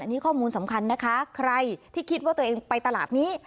นี่ข้อมูลสำคัญนะคะใครที่คิดว่าตัวเองไปตลาดนี้